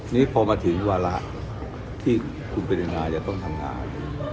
นี่พอมาถึงวาระที่คุณปริญญาจะต้องทำงาน